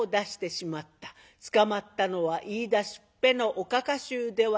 捕まったのは言いだしっぺのおかか衆ではなくってその夫たち。